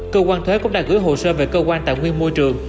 cơ quan thuế cũng đã gửi hồ sơ về cơ quan tài nguyên môi trường